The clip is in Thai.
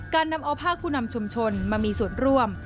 การนำเอาภาคผู้นำชุมชนมามีส่วนร่วม